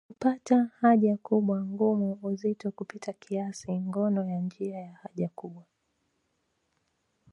Kupata haja kubwa ngumu uzito kupita kiasi ngono ya njia ya haja kubwa